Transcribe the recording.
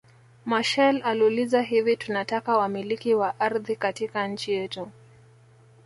Machel aliuliza hivi tunataka wamiliki wa ardhi katika nchi yetu